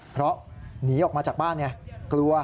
เพราะหนีออกมาจากบ้านไงกลัว